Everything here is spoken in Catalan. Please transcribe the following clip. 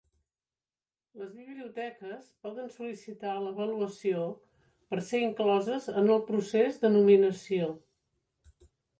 Les biblioteques poden sol·licitar l'avaluació per ser incloses en el procés de nominació.